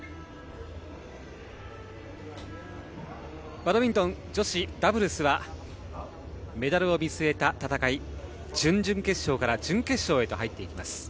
バドミントン女子ダブルスはメダルを見据えた戦い準々決勝から準決勝へと入っていきます。